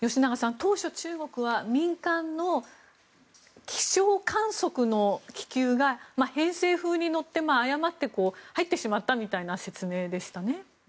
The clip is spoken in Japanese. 当初、中国は民間の気象観測の気球が偏西風に乗って誤って入ってしまったみたいな説明でしたね。